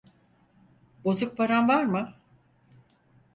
Bozuk paran var mı?